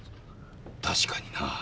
確かにな。